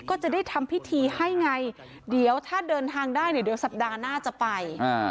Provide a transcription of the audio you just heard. ก็จะได้ทำพิธีให้ไงเดี๋ยวถ้าเดินทางได้เนี่ยเดี๋ยวสัปดาห์หน้าจะไป